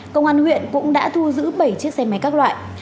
cơ quan huyện cũng đã thu giữ bảy chiếc xe máy các loại